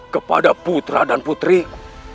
kepada putra dan putriku